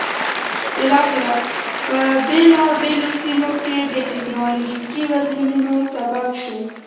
بالاخره په بېلابېلو سیمو کې د ټکنالوژیکي بدلونونو سبب شو.